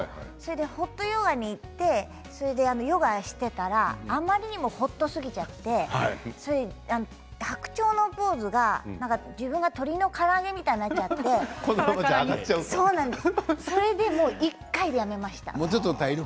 ホットヨガに行ってそれでヨガをしていたらあまりにもホットすぎて白鳥のポーズが自分が鶏のから揚げのようになっちゃってそれで１回でやめました。